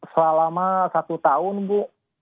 selama satu tahun bu